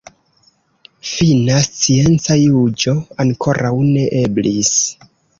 Fina scienca juĝo ankoraŭ ne eblis.